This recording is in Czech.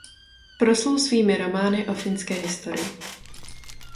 Proslul svými romány o finské historii.